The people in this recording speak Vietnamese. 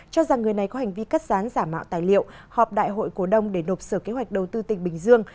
cho rằng người này có hành vi cắt rán giả mạo tài liệu họp đại hội cổ đông để nộp sở kế hoạch đầu tư tỉnh bình dương